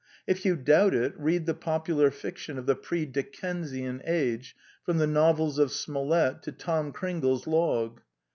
If you doubt it, read the popular fiction of the pre Dickensian age, from the novels of Smollett to Tom Cringle's Log.